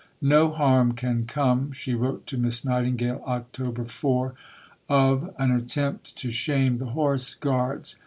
"No harm can come," she wrote to Miss Nightingale (Oct. 4), "of an attempt to shame the Horse Guards.